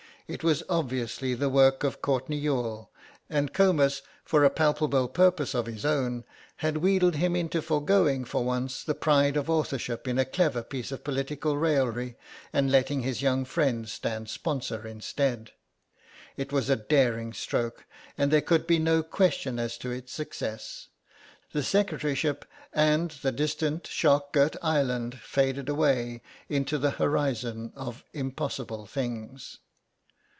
It was obviously the work of Courtenay Youghal, and Comus, for a palpable purpose of his own, had wheedled him into foregoing for once the pride of authorship in a clever piece of political raillery, and letting his young friend stand sponsor instead. It was a daring stroke, and there could be no question as to its success; the secretaryship and the distant shark girt island faded away into the horizon of impossible things.